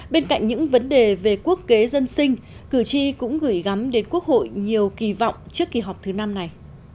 bên cạnh những vấn đề về quốc kế dân sinh cử tri cũng gửi gắm đến quốc hội nhiều kỳ vọng trước kỳ họp thứ năm này